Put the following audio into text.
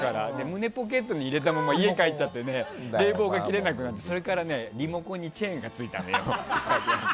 胸ポケットに入れたまま家に帰っちゃって冷房が切れなくなってそれから、エアコンのリモコンにチェーンがついたの。